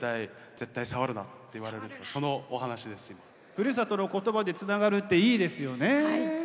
ふるさとの言葉でつながるっていいですよね。